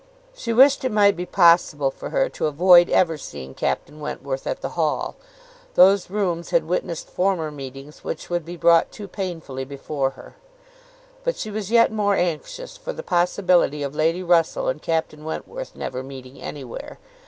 She wished it might be possible for her to avoid ever seeing Captain Wentworth at the Hall: those rooms had witnessed former meetings which would be brought too painfully before her; but she was yet more anxious for the possibility of Lady Russell and Captain Wentworth never meeting anywhere.